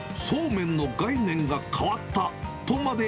そうめんの概念が変わったというか。